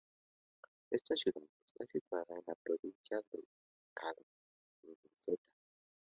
Esta ciudad está situada en la provincia de Caltanissetta.